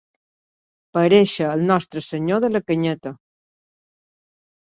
Parèixer el Nostre Senyor de la canyeta.